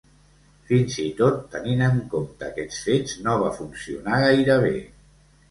Fins i tot tenint en compte aquests fets, no va funcionar gaire bé.